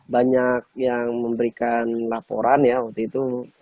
banyak yang memberikan laporan ya waktu itu